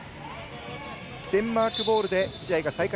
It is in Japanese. デンマークボールで試合再開。